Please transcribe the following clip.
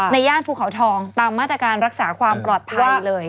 ย่านภูเขาทองตามมาตรการรักษาความปลอดภัยเลย